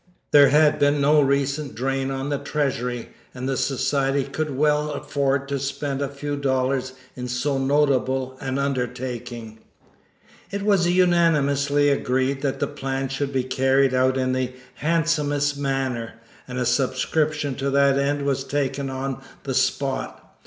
There had been no recent drain on the treasury, and the society could well afford to spend a few dollars in so notable an undertaking. It was unanimously agreed that the plan should be carried out in the handsomest manner, and a subscription to that end was taken on the spot.